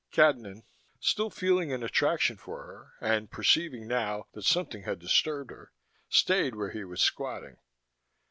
Cadnan, still feeling an attraction for her, and perceiving now that something had disturbed her, stayed where he was squatting.